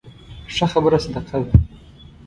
ښه خبره صدقه ده